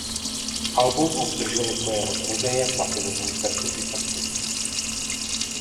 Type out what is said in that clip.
Album obdrželo pro jeho prodeje platinovou certifikaci.